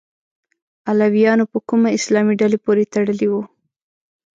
علویانو په کومه اسلامي ډلې پورې تړلي وو؟